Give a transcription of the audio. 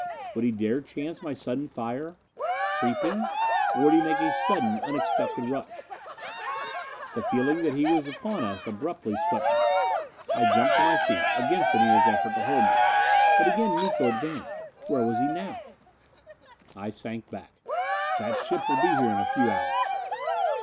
Would he dare chance my sudden fire? Creeping or would he make a swift, unexpected rush? The feeling that he was upon us abruptly swept me. I jumped to my feet, against Anita's effort to hold me. But again Miko had vanished. Where was he now? I sank back. "That ship will be here in a few hours."